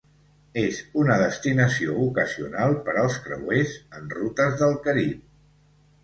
És una destinació ocasional per als creuers en rutes del Carib.